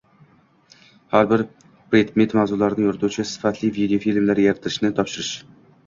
har bir predmet mavzularini yorituvchi sifatli videofilmlar yaratishni topshirish.